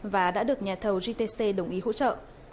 và đã được nhà thầu gtc đồng ý hỗ trợ